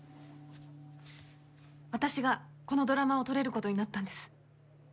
私がこのドラマを撮れる事になったんです。